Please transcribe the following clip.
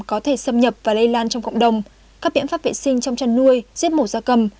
có thể xâm nhập và lây lan trong cộng đồng các biện pháp vệ sinh trong chăn nuôi giết mổ da cầm